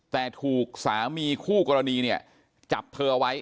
แต่ถูกสามีคู่กรณีจับเธอไว้